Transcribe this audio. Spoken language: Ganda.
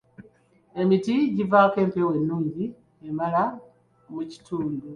Emiti givaako empewo ennungi emala mu kitundu.